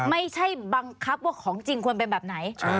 ไม่ใช่บังคับว่าของจริงควรเป็นแบบไหน